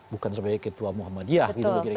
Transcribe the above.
bukan sebagai ketua muhammadiyah